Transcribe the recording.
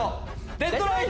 デッドライン！